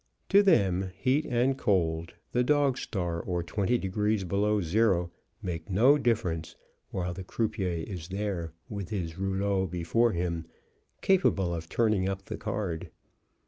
To them heat and cold, the dog star or twenty degrees below zero, make no difference while the croupier is there, with his rouleaux before him, capable of turning up the card.